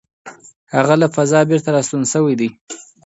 هغه له فضا بېرته راستون شوی دی.